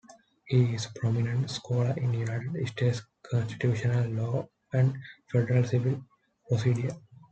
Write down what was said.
He is a prominent scholar in United States constitutional law and federal civil procedure.